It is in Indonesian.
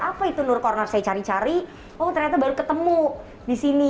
apa itu nur corner saya cari cari oh ternyata baru ketemu di sini